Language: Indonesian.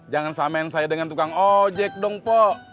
jangan samain saya dengan tukang ojek dong pak